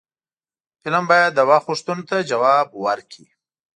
فلم باید د وخت غوښتنو ته ځواب ورکړي